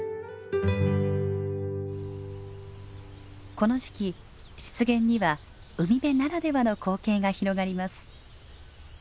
この時期湿原には海辺ならではの光景が広がります。